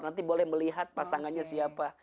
nanti boleh melihat pasangannya siapa